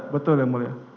betul ya mulia